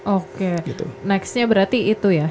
oke nextnya berarti itu ya